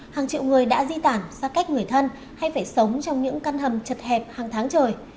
hàng triệu người đã di tản xa cách người thân hay phải sống trong những căn hầm chật hẹp hàng tháng trời